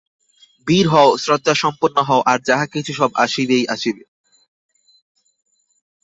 বীর হও, শ্রদ্ধাসম্পন্ন হও, আর যাহা কিছু সব আসিবেই আসিবে।